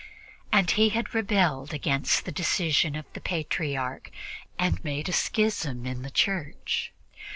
And he had rebelled against the decision of the Patriarch and made a schism in the Church.